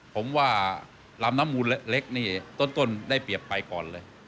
ผมว่าลำน้ำมูลเล็กนี่ต้นได้เปรียบไปก่อนเลย